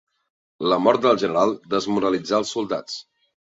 La mort del general desmoralitzà els soldats.